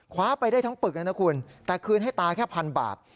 คว้าไปได้ทั้งปึกแล้วนะคุณแต่คืนให้ตาแค่พันบาท